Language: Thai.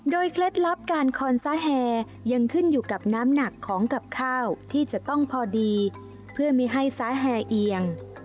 เคล็ดลับการคอนซาแฮยังขึ้นอยู่กับน้ำหนักของกับข้าวที่จะต้องพอดีเพื่อไม่ให้ซ้าแฮเอียง